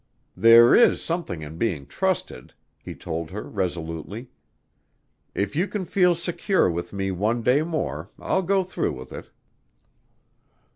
"There is something in being trusted," he told her resolutely. "If you can feel secure with me one day more I'll go through with it."